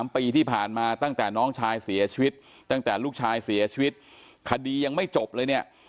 ปีที่ผ่านมาตั้งแต่น้องชายเสียชีวิตตั้งแต่ลูกชายเสียชีวิตคดียังไม่จบเลยเนี่ย